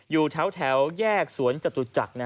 อยู่แถวแยกสวนจตุจักร